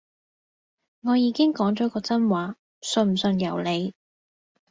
我已經講咗個真話，信唔信由你